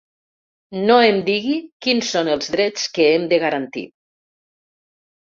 No em digui quins són els drets que hem de garantir.